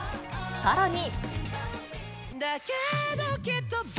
さらに。